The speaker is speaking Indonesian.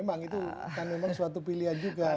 memang itu kan memang suatu pilihan juga